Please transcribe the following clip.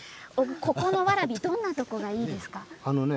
ここのわらびどんなところがいいですか。